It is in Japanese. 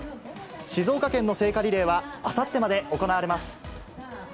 静岡県の聖火リレーは、あさってまで行われます。